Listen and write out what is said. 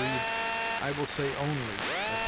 read, "I will say only," etc.